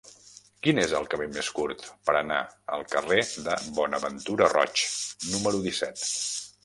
Quin és el camí més curt per anar al carrer de Bonaventura Roig número disset?